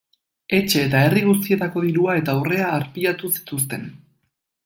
Etxe eta herri guztietako dirua eta urrea arpilatu zituzten.